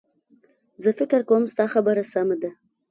زه فکر کوم ستا خبره سمه ده